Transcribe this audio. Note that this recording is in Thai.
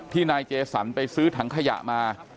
นายเจสันไปซื้อถังขยะมา